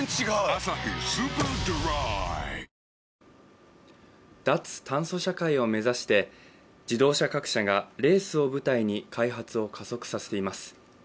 「アサヒスーパードライ」脱炭素社会を目指して自動車各社がレースを舞台に開発を加速させています。